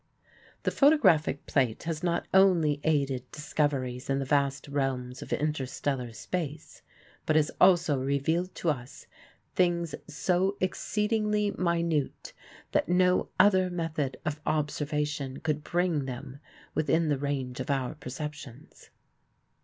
The photographic plate has not only aided discoveries in the vast realms of interstellar space, but has also revealed to us things so exceedingly minute that no other method of observation could bring them within the range of our perceptions.